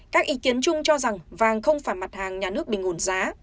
các ý kiến chung cho rằng vàng không phải mặt hàng nhà nước bình ổn giá